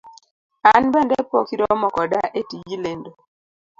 An bende pok iromo koda e tij lendo.